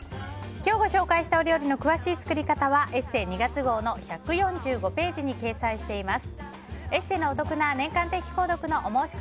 今日ご紹介したお料理の詳しい作り方は「ＥＳＳＥ」２月号の１４５ページに掲載しています。